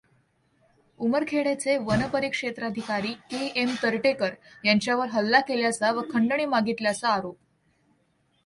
उमरखेडचे वन परिक्षेत्राधिकारी K. M. Tartekar यांच्यावर हल्ला केल्याचा व खंडणी मागितल्याचा आरोप.